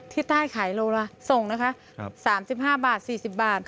ที่ใต้ขายโลละส่งนะคะ๓๕บาท๔๐บาท